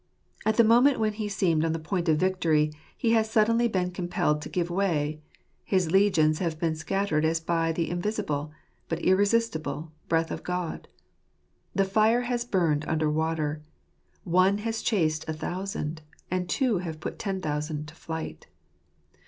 At the moment when he seemed on the point of victory, he has suddenly been compelled to give way ; his legions have been scattered as by the invisi ble, but irresistible breath of God. The fire has burned under water. One has chased a thousand ; and two have put ten thousand to flight.